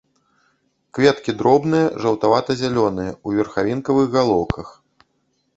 Кветкі дробныя, жаўтавата-зялёныя, у верхавінкавых галоўках.